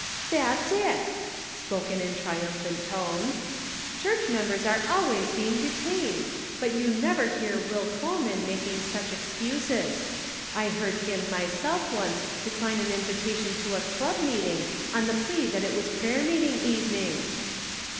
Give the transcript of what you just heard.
" That's it," (spoken in triumphant tones) ;" church members are always being detained, but you never hear Will Coleman making such excuses. I heard him myself once de cline an invitation to a club meeting on the plea that it was prayer meeting evening."